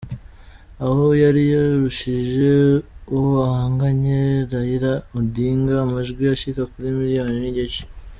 Aho yari yarushije uwo bahanganye Raila Odinga amajwi ashika ku miliyoni n'igice.